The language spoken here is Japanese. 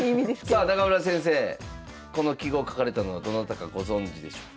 さあ中村先生この揮毫書かれたのはどなたかご存じでしょうか。